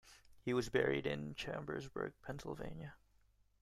He was buried in Chambersburg, Pennsylvania.